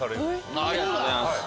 ありがとうございます。